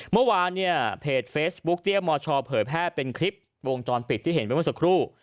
เมื่อวานเนี่ยเพจเฟซบุ๊กเตี้ยมชเผยแพร่เป็นคลิปวงจรปิดที่เห็นไปเมื่อสักครู่